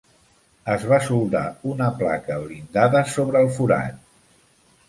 Es va soldar una placa blindada sobre el forat.